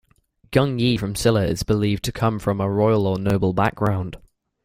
Gung Ye from Silla is believed to come from a royal or noble background.